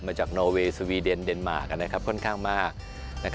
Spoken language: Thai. มาจากนอเวย์สวีเดนเดนมาร์ค่อนข้างมาก